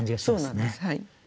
そうなんです。